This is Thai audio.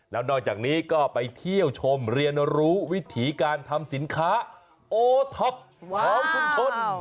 แล้วนอกจากนี้ก็ไปเที่ยวชมเรียนรู้วิถีการทำสินค้าโอท็อปของชุมชน